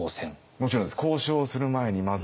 もちろんです。